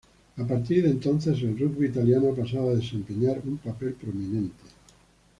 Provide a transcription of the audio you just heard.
A partir de entonces, el rugby italiano ha pasado a desempeñar un papel prominente.